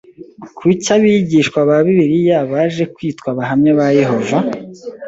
Kuki Abigishwa ba Bibiliya baje kwitwa Abahamya ba Yehova